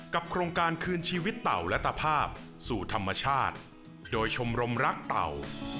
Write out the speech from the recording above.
โครงการคืนชีวิตเต่าและตภาพสู่ธรรมชาติโดยชมรมรักเต่า